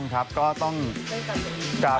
ถูกต้องครับ